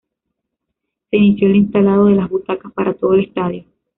Se inició el instalado de las butacas para todo el estadio.